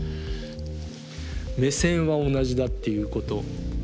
目線は同じだっていうこと。